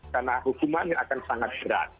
karena hukumannya akan sangat berat